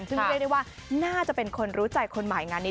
ซึ่งเรียกได้ว่าน่าจะเป็นคนรู้ใจคนใหม่งานนี้